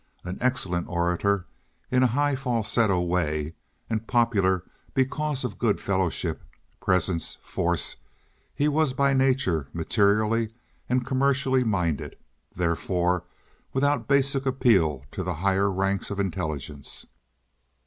An excellent orator in a high falsetto way, and popular because of good fellowship, presence, force, he was by nature materially and commercially minded—therefore without basic appeal to the higher ranks of intelligence.